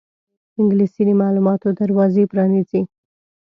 انګلیسي د معلوماتو دروازې پرانیزي